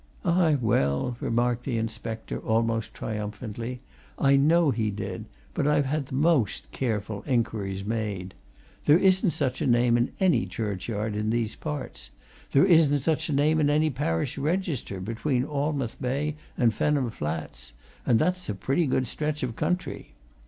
"Aye, well!" remarked the inspector, almost triumphantly. "I know he did but I've had the most careful inquires made. There isn't such a name in any churchyard of these parts. There isn't such a name in any parish register between Alnmouth Bay and Fenham Flats and that's a pretty good stretch of country!